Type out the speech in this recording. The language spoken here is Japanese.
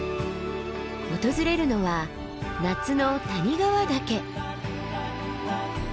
訪れるのは夏の谷川岳。